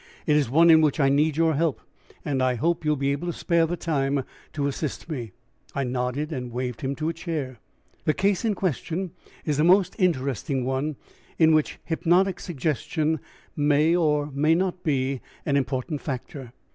It is one in which I need your help, and I hope you will be able to spare the time to assist me." I nodded and waved him to a chair. "The case in question is a most interesting one, in which hypnotic suggestion may or may not be an important factor.